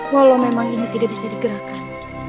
walau memang ini tidak bisa digerakkan